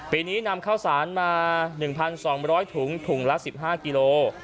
ปีนี้นำข้าวสารมา๑๒๐๐ถุงถุงละ๑๕กิโล